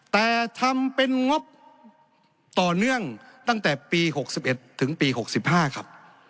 แต่ทำเป็นงบต่อเนื่องตั้งแต่ปีหกสิบเอ็ดถึงปีหกสิบห้าครับ